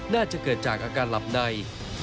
น่าจะเกิดจากอาการหลับใน